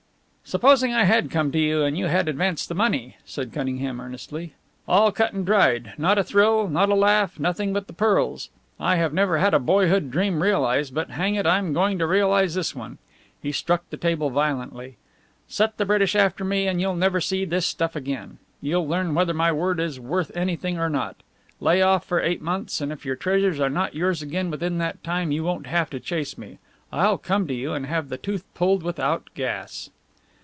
"Supposing I had come to you and you had advanced the money?" said Cunningham, earnestly. "All cut and dried, not a thrill, not a laugh, nothing but the pearls! I have never had a boyhood dream realized but, hang it, I'm going to realize this one!" He struck the table violently. "Set the British after me, and you'll never see this stuff again. You'll learn whether my word is worth anything or not. Lay off for eight months, and if your treasures are not yours again within that time you won't have to chase me. I'll come to you and have the tooth pulled without gas."